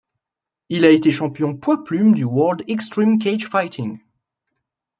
Il a été champion poids plumes du World Extreme Cagefighting.